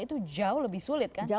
itu jauh lebih sulit